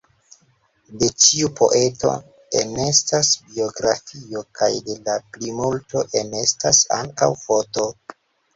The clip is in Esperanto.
De ĉiu poeto enestas biografio, kaj de la plimulto enestas ankaŭ foto.